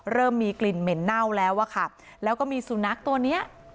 เริ่มมีกลิ่นเหม็นเน่าแล้วอะค่ะแล้วก็มีสุนัขตัวเนี้ย